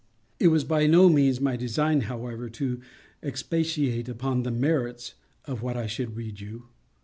It was by no means my design, however, to expatiate upon the _merits _of what I should read you.